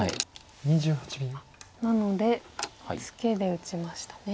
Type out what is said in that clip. なのでツケで打ちましたね。